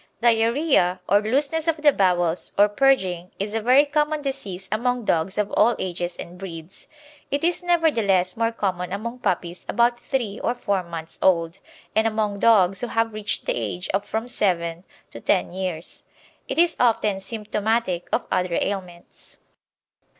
DIARRHOEA, or looseness of the bowels, or purging, is a very common disease among dogs of all ages and breeds. It is, nevertheless, more common among puppies about three or four months old, and among dogs who have reached the age of from seven to ten years. It is often symptomatic of other ailments.